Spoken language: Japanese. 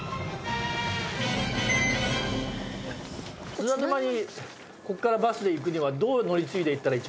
津田沼にここからバスで行くにはどう乗り継いで行ったら一番いいですかね？